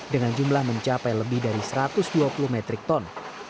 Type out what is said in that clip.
dengan jumlah mencapai lebih dari satu ratus dua puluh metrik ton